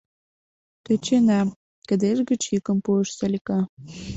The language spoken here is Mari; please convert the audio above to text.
— Тӧчена... — кыдеж гыч йӱкым пуыш Салика.